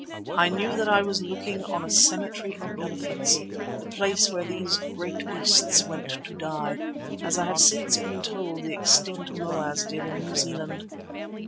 I knew that I was looking on a cemetery of elephants, the place where these great beasts went to die, as I have since been told the extinct moas did in New Zealand.